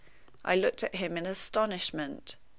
I looked at him in astonishment.